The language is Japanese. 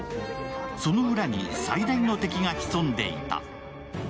その裏に最大の敵が潜んでいた。